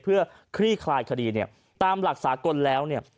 เพื่อคลี่คลายคดีเนี่ยตามหลักสากลแล้วเนี่ย